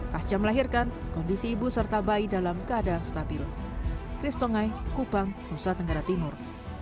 pasca melahirkan kondisi ibu serta bayi dalam keadaan stabil kris tongai kupang nusa tenggara timur